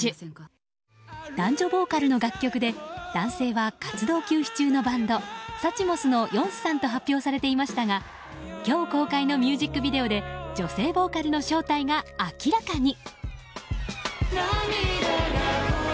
男女ボーカルの楽曲で男性は活動休止中のバンドＳｕｃｈｍｏｓのＹＯＮＣＥさんと発表されていましたが今日公開のミュージックビデオで女性ボーカルの正体が明らかに。